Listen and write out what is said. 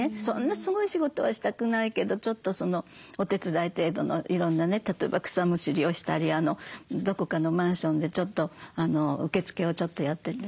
そんなすごい仕事はしたくないけどちょっとお手伝い程度のいろんなね例えば草むしりをしたりどこかのマンションでちょっと受付をやって。